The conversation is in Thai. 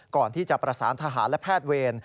ก่อนที่จะประสานทหารและแพทย์เวร